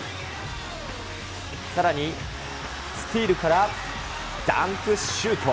さらに、スティールからダンクシュート。